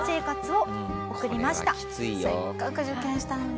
せっかく受験したのに。